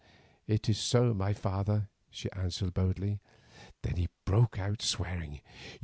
"It is so, my father," she answered boldly. Then he broke out swearing.